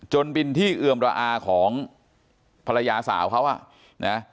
จนเป็นที่เอือมระอาของภรรยาสาวเขาอ่ะนะ